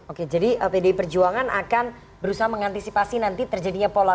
oke jadi pdi berjuangan akan berusaha mengantisipasi nanti terjadinya